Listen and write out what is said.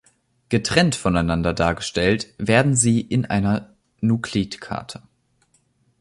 Getrennt voneinander dargestellt werden sie in einer Nuklidkarte.